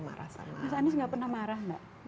mas anies gak pernah marah